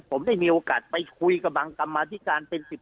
ผมได้มีโอกาสไปคุยกับบางกรรมาธิการเป็น๑๐